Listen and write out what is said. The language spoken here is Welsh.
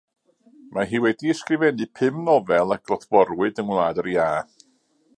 Mae hi wedi ysgrifennu pum nofel a glodforwyd yng Ngwlad yr Ia.